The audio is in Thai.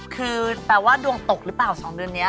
คือแปลว่าดวงตกหรือเปล่า๒เดือนนี้